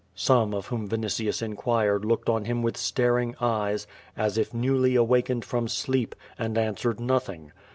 Some of whom Vinitius inquired looked on him with staring eyes, as if newly awakened from sleep, and answered nothing.